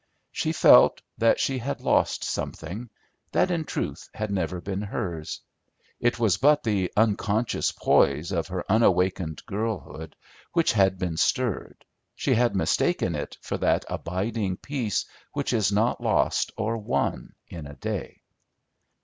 She felt that she had lost something, that in truth had never been hers. It was but the unconscious poise of her unawakened girlhood which had been stirred; she had mistaken it for that abiding peace which is not lost or won in a day.